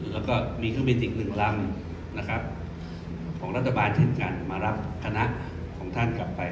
แล้วก็มีเครื่องบินติกหนึ่งลำนะครับของรัฐบาลเช่นกันมารับคณะของท่านกลับไป